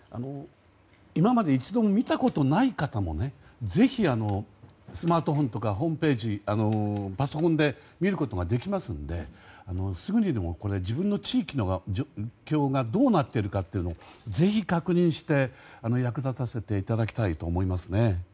今まで一度も見たことない方もぜひ、スマートフォンとかホームページをパソコンで見ることができますのですぐにでも自分の地域の状況がどうなっているかをぜひ確認して役立ててほしいと思いますね。